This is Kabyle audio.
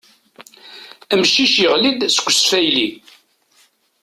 Amcic yaɣli-d seg usfayly.